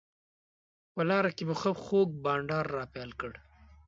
په لاره کې مو ښه خوږ بانډار راپیل کړ.